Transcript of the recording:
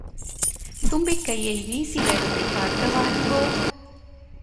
தும்பிக் கையை வீசி வருது பார்க்க வாருங்கோ.